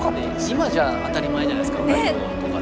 今じゃ当たり前じゃないですか。